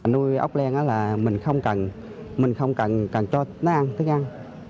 nuôi ốc len là mình không cần cho nó ăn thức ăn